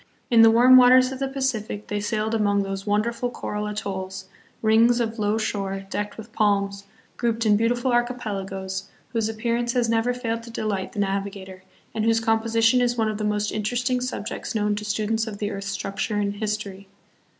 In the warm waters of the Pacific they sailed among those wonderful coral atolls, rings of low shore, decked with palms, grouped hi beautiful archipelagoes, whose appearance has never failed to delight the navi gator, and whose composition is one of the most interest ing subjects known to students of the earth's structure and history.